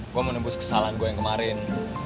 gue menembus kesalahan gue yang kemarin